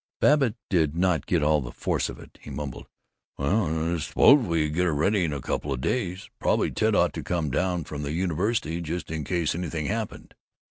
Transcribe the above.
Babbitt did not get all the force of it. He mumbled, "Well, I suppose we could get her ready in a couple o' days. Probably Ted ought to come down from the university, just in case anything happened."